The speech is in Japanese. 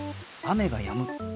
雨がやむ。